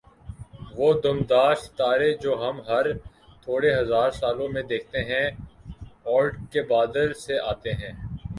وہ دُمدار ستارے جو ہم ہر تھوڑے ہزار سالوں میں دیکھتے ہیں "اوٗرٹ کے بادل" سے آتے ہیں۔